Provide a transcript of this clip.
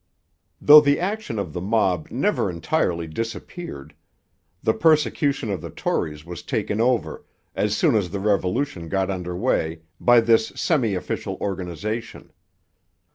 Though the action of the mob never entirely disappeared, the persecution of the Tories was taken over, as soon as the Revolution got under way, by this semi official organization.